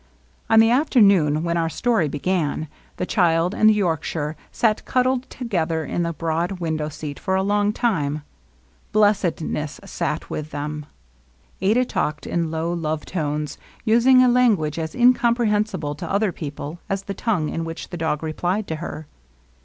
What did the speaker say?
On the afternoon when our story began, the child and the Yorkshire sat cuddled together in the broad mndow seat for a long time. Blessedness sat witii them. Adah talked in low love tones, using a lan guage as incomprehensible to other people as the tongue in which the dog replied to her.